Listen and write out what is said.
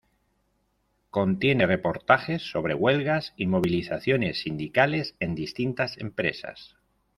Contiene reportajes sobre huelgas y movilizaciones sindicales en distintas empresas.